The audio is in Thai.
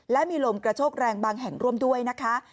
และมีลมกระโชกแรงบางแห่งร่วมด้วยนะคะ